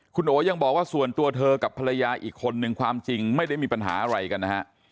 คุณโอยังบอกว่าส่วนตัวเธอกับภรรยาอีกคนนึงความจริงไม่ได้มีปัญหาอะไรกันนะฮะ